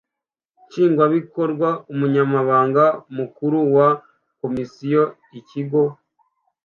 Nshingwabikorwa /Umunyamabanga Mukuru wa Komisiyo/ikigo;